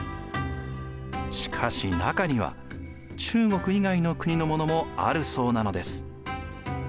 しかし中には中国以外の国のものもあるそうなのです。